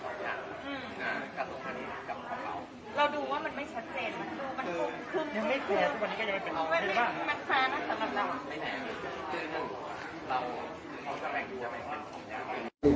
มันสามารถทำอะไรบ้าง